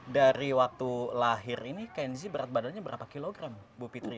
dari waktu lahir ini kenzi berat badannya berapa kilogram bu fitri